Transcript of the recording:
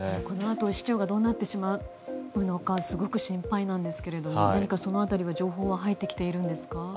このあと市長がどうなってしまうのかすごく心配なんですけれどもその辺りの情報は入ってきているんですか？